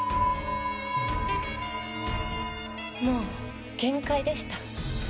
もう限界でした。